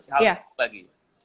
saya menampilkan hal hal itu lagi